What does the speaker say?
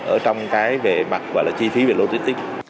ở trong cái về mặt gọi là chi phí về logistics